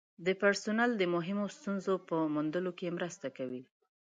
د پرسونل د مهمو ستونزو په موندلو کې مرسته کوي.